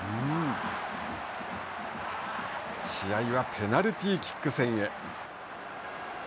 試合はペナルティーキック戦へ。